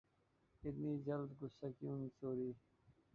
اتنی جلدی غصہ کیوں سوری